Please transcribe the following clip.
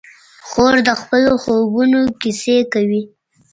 خور د خپلو خوبونو کیسې کوي.